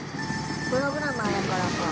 プログラマーやからか。